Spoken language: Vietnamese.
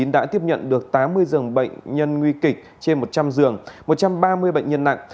đã tiếp nhận được tám mươi giường bệnh nhân nguy kịch trên một trăm linh giường một trăm ba mươi bệnh nhân nặng